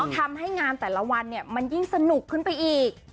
ทำให้งานแต่ละวันมันยิ่งสนุกขึ้นไปอีก